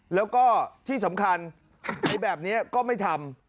แล้วก็ที่สำคัญไอ้แบบนี้ก็ไม่ทำ